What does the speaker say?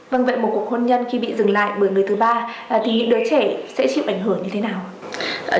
vâng vậy một cuộc hôn nhân khi bị dừng lại bởi người thứ ba thì những đứa trẻ sẽ chịu ảnh hưởng như thế nào ạ